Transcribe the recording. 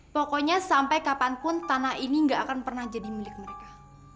pokoknya sampai kapanpun tanah ini gak akan pernah jadi milik mereka